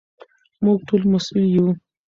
موږ ټول مسوول یو.